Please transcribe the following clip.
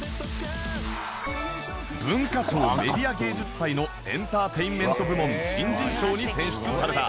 文化庁メディア芸術祭のエンターテインメント部門新人賞に選出された